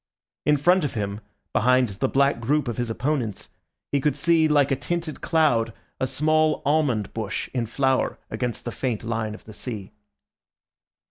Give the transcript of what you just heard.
In front of him, behind the black group of his opponents, he could see, like a tinted cloud, a small almond bush in flower against the faint line of the sea.